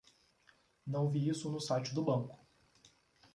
Não vi isso no site do banco